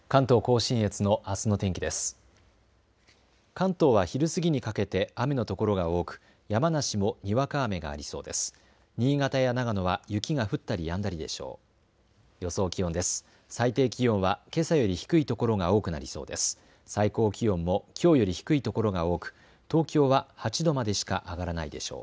新潟や長野は雪が降ったりやんだりでしょう。